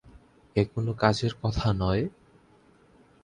এ কোনো কাজের কথা নয়।